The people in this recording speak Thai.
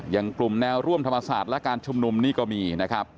อย่างกลุ่มแนวร่วมธรรมศาสตร์และการชุมนุมนี่ก็มีนะครับ